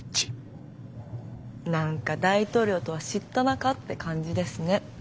何か大統領とは知った仲って感じですね。